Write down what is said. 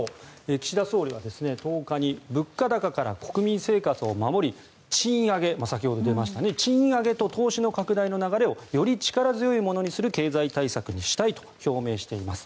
岸田総理は１０日に物価高から国民生活を守り先ほど出ました賃上げと投資の拡大の流れをより力強いものにする経済対策にしたいと表明しています。